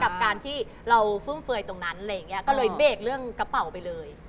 กับการที่เราฟึ้มเฟย์ตรงนั้นก็เลยเบกเรื่องกระเป๋าไปเลย